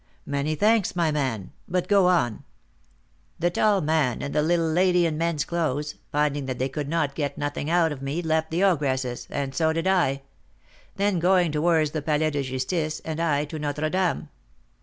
"Many thanks, my man; but go on." "The tall man and the little lady in men's clothes, finding that they could get nothing out of me, left the ogress's, and so did I; they going towards the Palais de Justice, and I to Notre Dame.